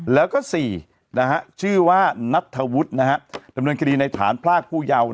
แล้วก็๔ชื่อว่านัทธวุฒิดำเนินคดีในฐานพรากผู้เยาว์